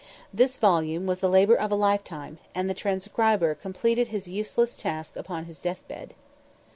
This volume was the labour of a lifetime, and the transcriber completed his useless task upon his deathbed.